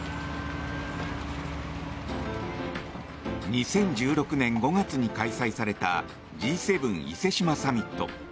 ２０１６年５月に開催されたＧ７伊勢志摩サミット。